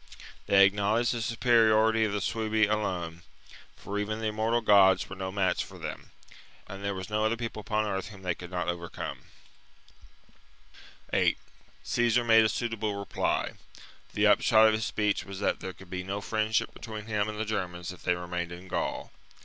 They ac knowledged the superiority of the Suebi alone, for even the immortal gods were no match for them ; and there was no other people upon earth whom they could not overcome. IV USIPETES AND TENCTERI 103 8. Caesar made a suitable reply. The upshot 55 b.c. of his speech was that there could be no friend JJfj^f^'"^*° ship between him and the Germans if they ^^j^^JJ^^j^^ remained in Gaul.